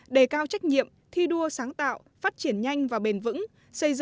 đề cao trách nhiệm thi đua sáng tạo phát triển nhanh và bền vững